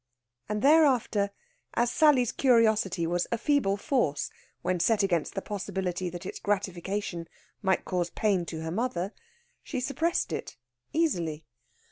And thereafter, as Sally's curiosity was a feeble force when set against the possibility that its gratification might cause pain to her mother, she suppressed it easily.